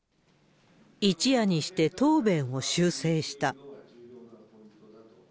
一夜にして答弁を修正した。